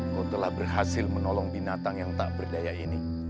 kau telah berhasil menolong binatang yang tak berdaya ini